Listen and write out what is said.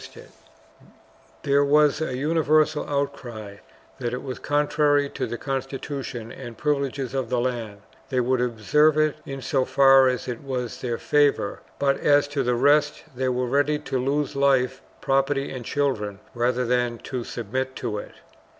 470 CONFLICTING JURISDICTIONS [BOOK II There was a universal outcry that it was contrary to the consti tution and privileges of the land; they would observe it in so far as it was in their favor, but as to the rest they were ready to lose life, property and children rather than to submit to it.